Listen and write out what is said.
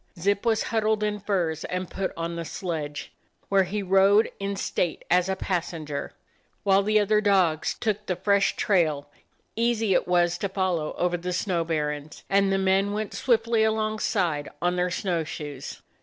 Zip was huddled in furs and put on the sledge, where he rode in state as a passenger, while the other dogs took the fresh trail — easy it was to follow over the snow barrens — and the men went swiftly alongside on their snow shoes.